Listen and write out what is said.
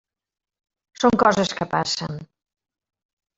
Són coses que passen.